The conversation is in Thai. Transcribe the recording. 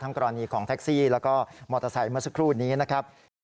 กรณีของแท็กซี่แล้วก็มอเตอร์ไซค์เมื่อสักครู่นี้นะครับ